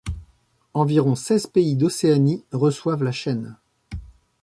Environ seize pays d'Océanie reçoivent la chaîne.